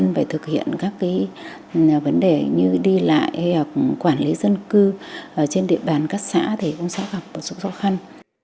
nhưng phải thực hiện các vấn đề như đi lại hay quản lý dân cư trên địa bàn các xã thì cũng sẽ gặp một số rộng khăn